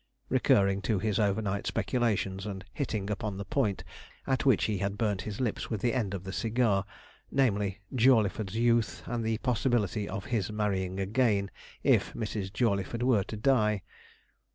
recurring to his over night speculations, and hitting upon the point at which he had burnt his lips with the end of the cigar namely, Jawleyford's youth, and the possibility of his marrying again if Mrs. Jawleyford were to die.